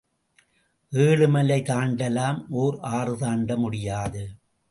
ஏழுமலை தாண்டலாம் ஓர் ஆறு தாண்ட முடியாது.